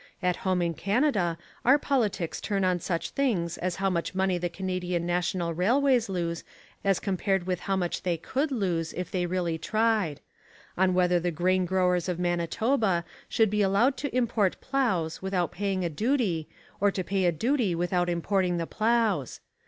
At home in Canada our politics turn on such things as how much money the Canadian National Railways lose as compared with how much they could lose if they really tried; on whether the Grain Growers of Manitoba should be allowed to import ploughs without paying a duty or to pay a duty without importing the ploughs.